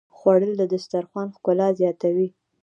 خوړل د دسترخوان ښکلا زیاتوي